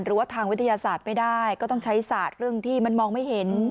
หรือว่าทางวิทยาศาสตร์ไม่ได้ก็ต้องใช้ศาสตร์เรื่องที่มันมองไม่เห็น